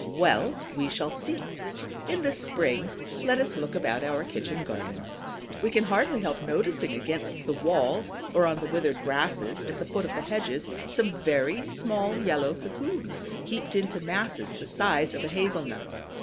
Well, we shall see. In the spring, let us look about our kitchen gardens. We can hardly help noticing against the walls or on the withered grasses at the foot of the hedges some very small yellow cocoons, heaped into masses the size of a hazel nut.